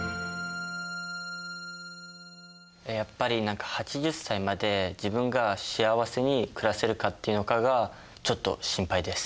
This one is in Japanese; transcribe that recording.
やっぱり何か８０歳まで自分が幸せに暮らせるかっていうのかがちょっと心配です。